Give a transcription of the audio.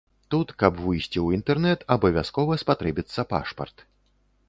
Тут, каб выйсці ў інтэрнэт, абавязкова спатрэбіцца пашпарт.